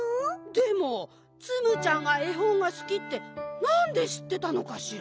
でもツムちゃんがえほんがすきってなんでしってたのかしら？